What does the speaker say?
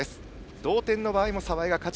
同点の場合も澤江が勝ち。